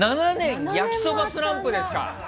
焼きそばスランプですか？